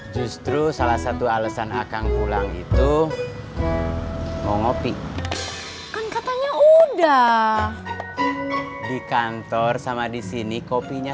justru salah satu alasan akan pulang itu mau ngopi katanya udah di kantor sama disini kopinya